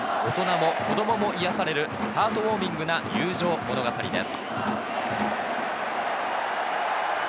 大人も子供も癒やされるハートウオーミングな友情物語です。